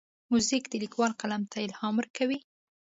موزیک د لیکوال قلم ته الهام ورکوي.